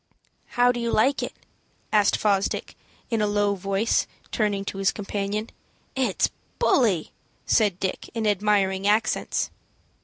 "How do you like it?" asked Fosdick, in a low voice, turning to his companion. "It's bully," said Dick, in admiring accents.